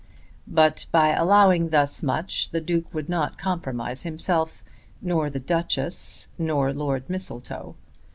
But by allowing thus much the Duke would not compromise himself, nor the Duchess, nor Lord Mistletoe.